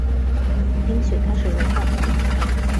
冰雪开始融化